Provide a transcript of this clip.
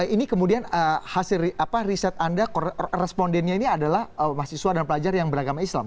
ini kemudian hasil riset anda respondennya ini adalah mahasiswa dan pelajar yang beragama islam